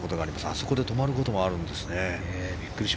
あそこで止まることもあるんですね。